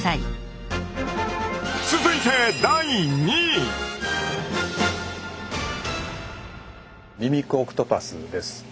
続いてミミックオクトパスです。